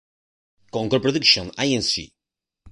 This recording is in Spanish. Concord Production Inc.